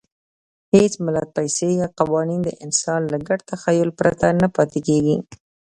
هېڅ ملت، پیسې یا قوانین د انسان له ګډ تخیل پرته نه پاتې کېږي.